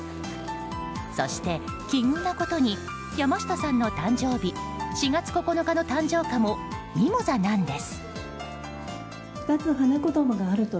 そして奇遇なことに山下さんの誕生日４月９日の誕生花もミモザなんです。